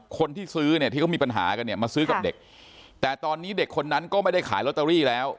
คนที่ซื้อเนี่ยที่เขามีปัญหากันเนี่ยมาซื้อกับเด็กแต่ตอนนี้เด็กคนนั้นก็ไม่ได้ขายลอตเตอรี่แล้ว